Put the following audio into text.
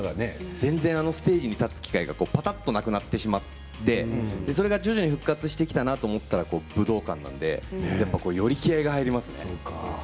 ステージに立つ機会がぱたっとなくなってしまって徐々に復活してきたなと思ったら武道館なのでより気合いが入ります。